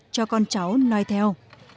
cho con cháu loay theo